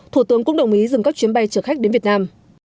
thủ tướng cũng đồng ý dừng các chuyến bay chở khách đến việt nam